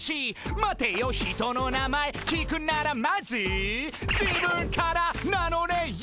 「待てよ人の名前聞くならまず自分から名乗れよ」